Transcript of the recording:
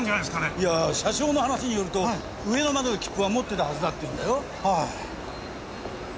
いや車掌の話によると上野までの切符は持ってたはずだっていうんだよ。